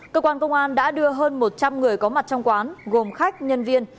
cơ quan công an đã đưa hơn một trăm linh người có mặt trong quán gồm khách nhân viên